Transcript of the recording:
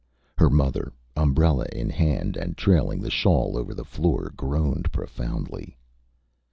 Her mother, umbrella in hand and trailing the shawl over the floor, groaned profoundly.